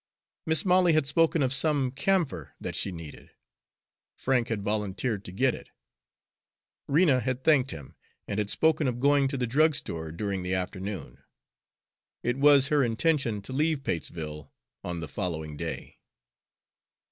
Mis' Molly had spoken of some camphor that she needed. Frank had volunteered to get it. Rena had thanked him, and had spoken of going to the drugstore during the afternoon. It was her intention to leave Patesville on the following day.